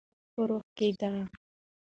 زموږ په روح کې ده.